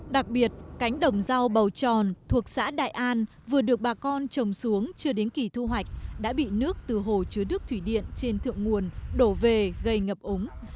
đặc biệt cánh đồng rau bầu tròn thuộc xã đại an vừa được bà con trồng xuống chưa đến kỳ thu hoạch đã bị nước từ hồ chứa nước thủy điện trên thượng nguồn đổ về gây ngập ống